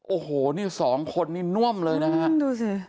โอ้โหนี่สองคนนี่น่วมเลยนะครับ